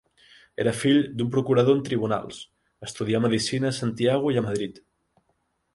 Era fill d'un procurador en tribunals, estudià medicina a Santiago i a Madrid.